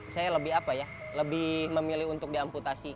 saya lebih memilih untuk diamputasi